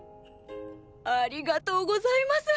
ありがとうございます！